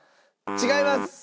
違います。